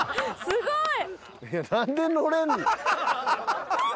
すごい。